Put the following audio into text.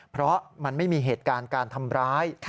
เพราะมันไม่มีเหตุการณ์การทำร้าย